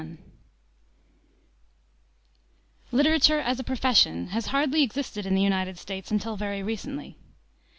Literature as a profession has hardly existed in the United States until very recently.